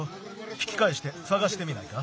ひきかえしてさがしてみないか？